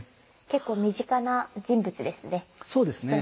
結構身近な人物ですね。